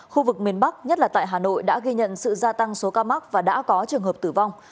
khu vực miền bắc nhất là tại hà nội đã ghi nhận sự gia tăng số ca mắc và đã có trường hợp tử vong